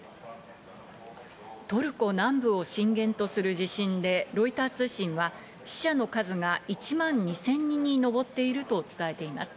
トルコ南部を震源とする地震で、ロイター通信は死者の数が１万２０００人にのぼっていると伝えています。